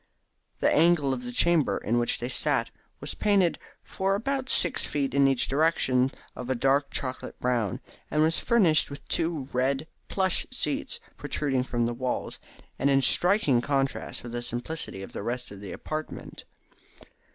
The angle of the chamber in which they sat was painted for about six feet in each direction of a dark chocolate brown, and was furnished with two red plush seats protruding from the walls, and in striking contrast with the simplicity of the rest of the apartment.